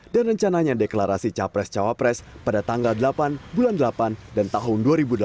dan rencananya deklarasi cawa pres pada tanggal delapan bulan delapan dan tahun dua ribu delapan belas